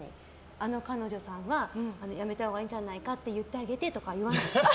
あの彼女さんはやめたほうがいいんじゃないかとか言ってあげてとか言わないんですか。